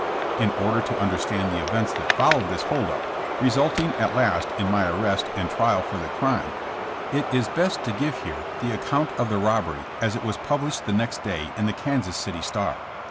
In order to understand the events that followed this hold up, re sulting at last in my arrest and trial for the crime, it is best to give here the account of the robbery as it was published the next day in the Kansas City Star.